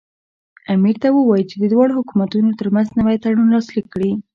امیر ته ووایي چې د دواړو حکومتونو ترمنځ نوی تړون لاسلیک کړي.